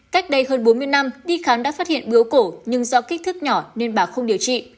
cách đây hơn bốn mươi năm đi khám đã phát hiện biếu cổ nhưng do kích thước nhỏ nên bà không điều trị